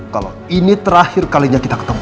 kalau ini terakhir kalinya kita ketemu